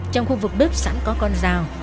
trong khu vực bếp sẵn có con rào